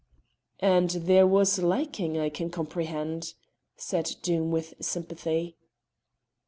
"And there was liking; I can comprehend," said Doom with sympathy.